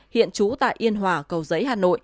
hiện trú tại yên hòa cầu giấy hà nội